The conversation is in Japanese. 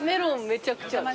めちゃくちゃある。